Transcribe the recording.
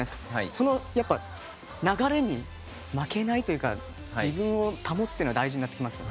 その流れに負けないというか自分を保つことが大事になってきますか。